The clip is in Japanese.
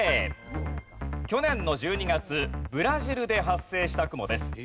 去年の１２月ブラジルで発生した雲です。